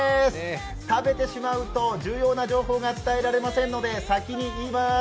食べてしまうと重要な情報が伝えられませんので先に言います。